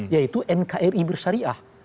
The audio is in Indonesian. yaitu nkri bersyariah